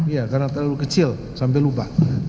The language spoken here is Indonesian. ya karena terlalu kecil sampai lupa